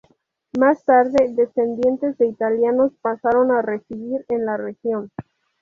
Más tarde, descendientes de italianos pasaron a residir en la región.